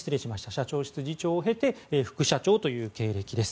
社長室次長を経て副社長という経歴です。